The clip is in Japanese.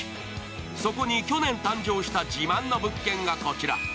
そこに去年誕生した自慢の物件がこちら。